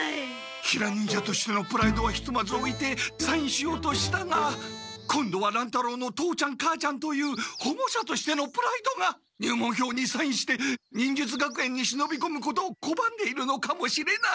ヒラ忍者としてのプライドはひとまずおいてサインしようとしたが今度は乱太郎の父ちゃん母ちゃんというほごしゃとしてのプライドが入門票にサインして忍術学園に忍びこむことをこばんでいるのかもしれない！